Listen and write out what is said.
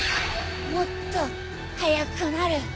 もっと速くなる。